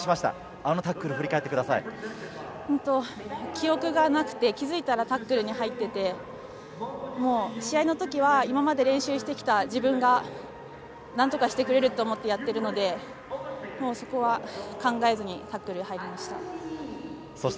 あのタックルを振り返ってくださ本当、記憶がなくて、気付いたらタックルに入ってて、もう、試合のときは、今まで練習してきた自分がなんとかしてくれると思ってやってるので、もうそこは考えずにタックルに入りました。